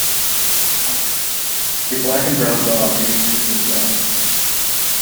a black and brown dog digging through the snow.